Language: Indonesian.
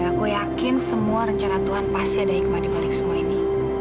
aku yakin semua rencana tuhan pasti ada hikmah dibalik semua ini